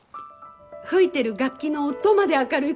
吹いてる楽器の音まで明るい